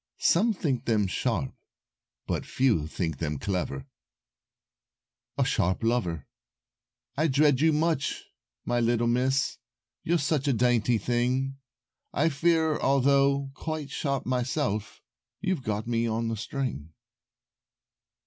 Some think them sharp. But few think them clever." [Illustration: Twins] A SHARP LOVER "I dread you much, my little miss, You're such a dainty thing, I fear although quite sharp myself, You've got me on the string."